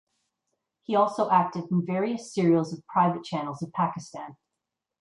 He also acted in various serials of private channels of Pakistan.